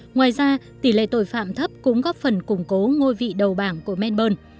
ngoài ra tỷ lệ tội phạm thấp cũng góp phần củng cố ngôi vị đầu bảng của menburne